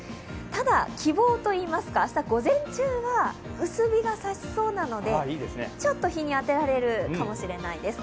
ただ希望といいますか、明日、午前中は薄日がさしそうなのでちょっと日に当てられるかもしれないです。